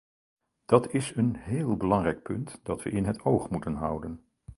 Dat is een heel belangrijk punt dat we in het oog moeten houden.